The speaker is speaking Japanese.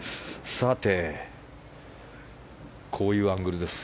さて、こういうアングルです。